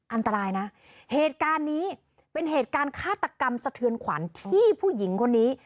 อันตรายนะเหตุการณ์นี้เป็นเหตุการณ์ฆาตกรรมสะเทือนขวัญที่ผู้หญิงคนนี้